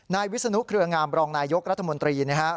วิศนุเครืองามรองนายยกรัฐมนตรีนะครับ